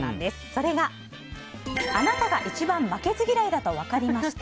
それが、あなたが一番負けず嫌いだと分かりました。